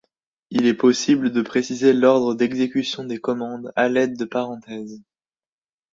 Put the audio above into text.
Il est possible de préciser l’ordre d’exécution des commandes à l’aide de parenthèses.